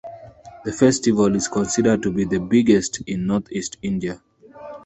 The festival is considered to be the biggest in Northeast India.